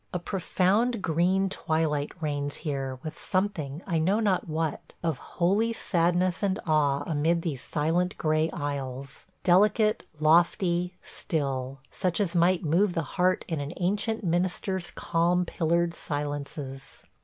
A profound green twilight reigns here, with something, I know not what, of holy sadness and awe amid these silent gray aisles – delicate, lofty, still – such as might move the heart in an ancient minister's calm pillared silences.